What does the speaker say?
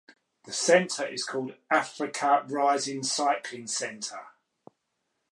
The center is called Africa Rising Cycling Center.